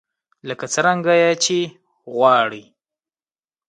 لکه څرنګه يې چې غواړئ.